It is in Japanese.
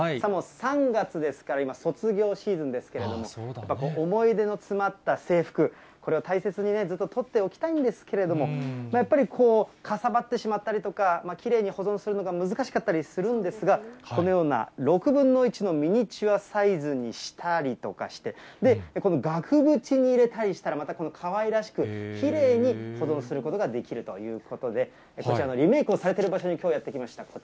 もう３月ですから、今、卒業シーズンですけれども、思い出の詰まった制服、これを大切にね、ずっと取っておきたいんですけれども、やっぱりこう、かさばってしまったりとか、きれいに保存するのが難しかったりするんですが、このような６分の１のミニチュアサイズにしたりとかして、で、この額縁に入れたりしたら、またこのかわいらしくきれいに保存することができるということで、こちらのリメークをされてる場所にきょうやって来ました。